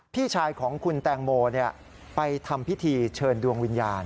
พี่ชายของคุณแตงโมไปทำพิธีเชิญดวงวิญญาณ